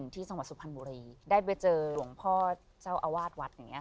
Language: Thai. ที่สมาธิสุพรรณบุรีได้ไปเจอหลวงพ่อเจ้าอาวาสวัด